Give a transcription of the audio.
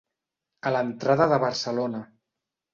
A l'entrada de Barcelona.